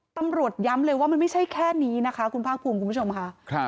ตำรวจย้ำเลยว่ามันไม่ใช่แค่นี้นะคะคุณภาคภูมิคุณผู้ชมค่ะ